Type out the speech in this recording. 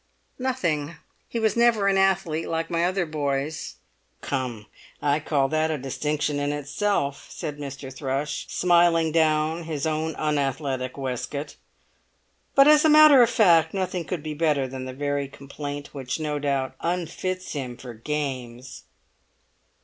"Nothing; he was never an athlete, like my other boys." "Come! I call that a distinction in itself," said Mr. Thrush, smiling down his own unathletic waistcoat. "But as a matter of fact, nothing could be better than the very complaint which no doubt unfits him for games."